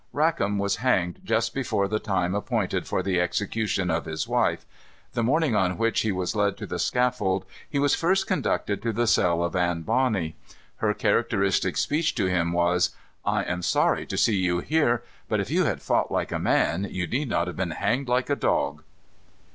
Rackam was hanged just before the time appointed for the execution of his wife. The morning on which he was led to the scaffold, he was first conducted to the cell of Anne Bonny. Her characteristic speech to him was: "I am sorry to see you here; but if you had fought like a man, you need not have been hanged like a dog."